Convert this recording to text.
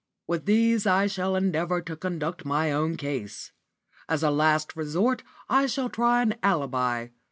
With these I shall endeavour to conduct my own case. As a last resort I shall try an alibi.